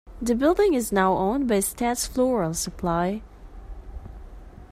The building is now owned by Stats Floral Supply.